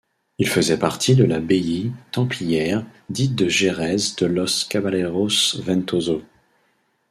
Ils faisaient partie de la baillie templière dite de Jerez de los Caballeros-Ventoso.